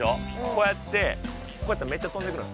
こうやってこうやったらめっちゃ飛んでいくの。